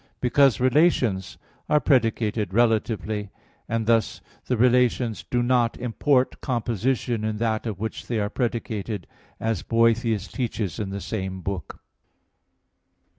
Because relations are predicated relatively, and thus the relations do not import composition in that of which they are predicated, as Boethius teaches in the same book.